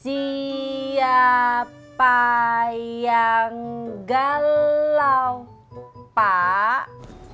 siapa yang galau pak